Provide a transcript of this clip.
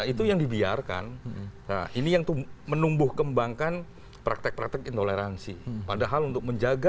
itu yang dibiarkan nah ini yang menumbuh kembangkan praktek praktek intoleransi padahal untuk menjaga